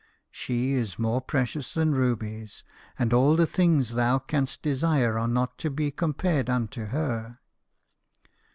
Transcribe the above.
She is m'ore precious than rubies ; and all the things thou canst desire are not to be compared unto her."